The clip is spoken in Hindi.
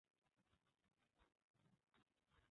चोदिये मुझे।